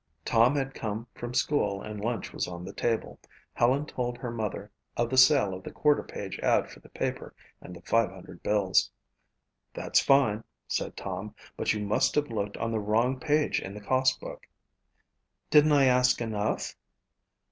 Tom had come from school and lunch was on the table. Helen told her brother of the sale of the quarter page ad for the paper and the 500 bills. "That's fine," said Tom, "but you must have looked on the wrong page in the cost book." "Didn't I ask enough?"